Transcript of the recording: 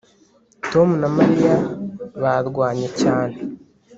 Tom na Mariya barwanye cyane